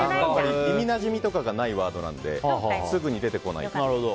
耳なじみとかがないワードなのですぐに出てこない。